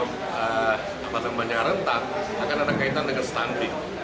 kabupaten banyak rentan akan ada kaitan dengan stunting